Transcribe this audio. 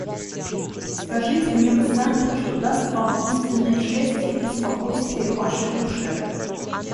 Скажите мне вы сами, что даст вам истинное счастье и спокойствие вашей душе.